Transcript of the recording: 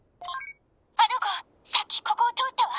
あの子さっきここを通ったわ。